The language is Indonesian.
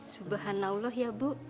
subhanallah ya bu